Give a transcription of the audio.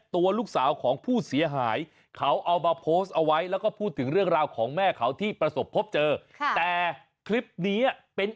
โธ่สงสารจังเลย